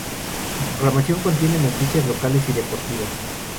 Su programación contiene noticias locales y deportivas.